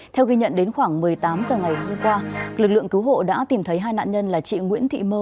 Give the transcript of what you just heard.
theo ghi nhận đến khoảng một mươi tám h ngày hôm qua lực lượng cứu hộ đã tìm thấy hai nạn nhân là chị nguyễn thị mơ